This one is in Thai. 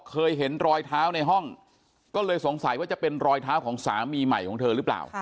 เคยเห็นรอยเท้าในห้องก็เลยสงสัยว่าจะเป็นรอยเท้าของสามีใหม่ของเธอหรือเปล่า